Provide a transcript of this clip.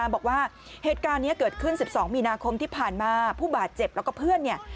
บอกว่าเหตุการณ์นี้เกิดขึ้น๑๒มีนาคมที่ผ่านมาผู้บาดเจ็บแล้วก็เพื่อนเนี่ย